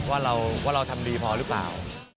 ว่าเราทำดีพอหรือเปล่า